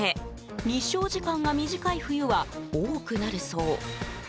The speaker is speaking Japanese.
日照時間が短い冬は多くなるそう。